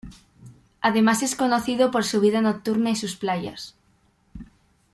Además es conocido por su vida nocturna y sus playas.